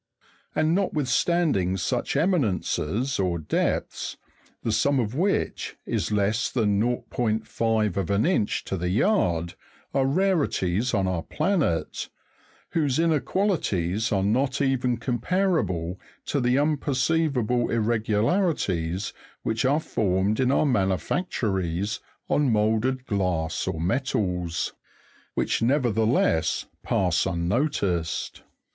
And notwithstanding such eminences or depths, the sum of which is less than .5000 of an inch to the yard, are rarities on our planet, whose inequalities are not even comparable to the unperceivable irregularities which are formed in our manufactories on moulded glass or metals, which nevertheless pass unnoticed.